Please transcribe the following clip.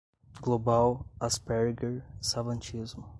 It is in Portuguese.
global, asperger, savantismo